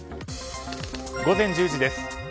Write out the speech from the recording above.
午前１０時です。